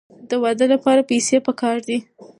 د واده لپاره پیسې پکار دي.